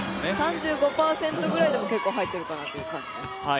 ３５％ぐらいでも結構入ってるかなという感じです。